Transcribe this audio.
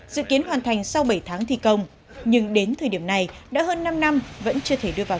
dự kiến hoàn thành sau bảy tháng thi công nhưng đến thời điểm này đã hơn năm năm vẫn chưa thể đưa vào